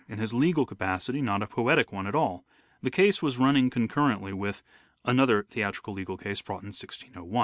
in his legal capacity, not a poetic one at all. ... This case was running concurrently with (another theatrical legal case brought in in 1601)."